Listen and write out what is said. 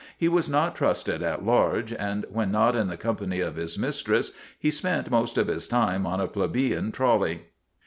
He was not trusted at large, and when not in the company of his mistress he spent most of his time on a plebeian trolley.